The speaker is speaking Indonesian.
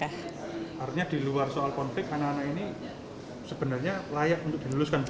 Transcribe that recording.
artinya di luar soal konflik anak anak ini sebenarnya layak untuk diluluskan